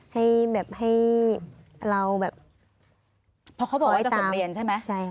ให้แบบให้เราแบบเพราะเขาบอกว่าจะส่งเรียนใช่ไหม